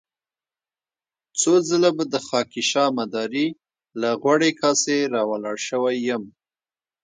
څو ځله به د خاکيشاه مداري له غوړې کاسې را ولاړ شوی يم.